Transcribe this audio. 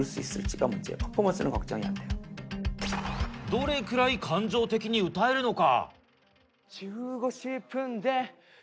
どれくらい感情的に歌えるのか。